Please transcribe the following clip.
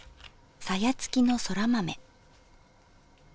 さや付きのそら豆。